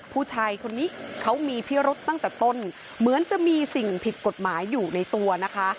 ผู้ชายคนนี้เขามีพิรุษตั้งแต่ต้นเหมือนจะมีสิ่งผิดกฎหมายอยู่ในตัวนะคะ